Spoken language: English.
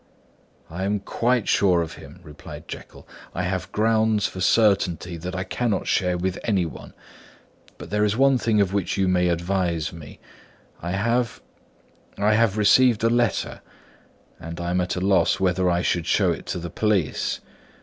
"I am quite sure of him," replied Jekyll; "I have grounds for certainty that I cannot share with any one. But there is one thing on which you may advise me. I have—I have received a letter; and I am at a loss whether I should show it to the police.